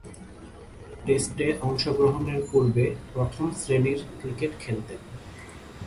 টেস্টে অংশগ্রহণের পূর্বে প্রথম-শ্রেণীর ক্রিকেট খেলতেন।